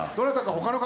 他の方。